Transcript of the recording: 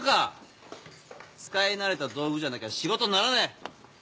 使い慣れた道具じゃなきゃ仕事にならねえ！